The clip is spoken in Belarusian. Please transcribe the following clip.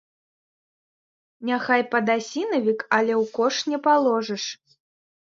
Няхай падасінавік, але ў кош не паложыш.